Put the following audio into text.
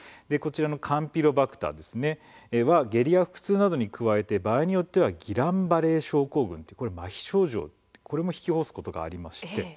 カンピロバクターは下痢や腹痛などに加えて場合によってはギラン・バレー症候群というまひ症状を引き起こすことがあります。